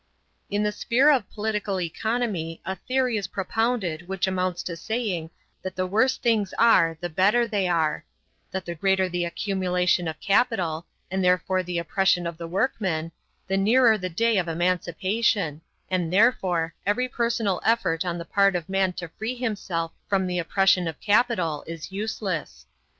In the sphere of political economy a theory is propounded which amounts to saying that the worse things are the better they are; that the greater the accumulation of capital, and therefore the oppression of the workman, the nearer the day of emancipation, and, therefore, every personal effort on the part of a man to free himself from the oppression of capital is useless.